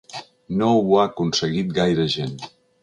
No ho ha aconseguit gaire gent.